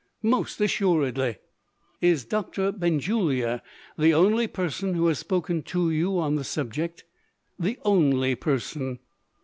"Most assuredly!" "Is Doctor Benjulia the only person who has spoken to you on the subject?" "The only person."